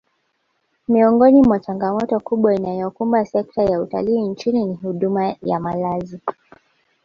Miongoni mwa changamoto kubwa inayoikumba sekta ya utalii nchini ni huduma ya malazi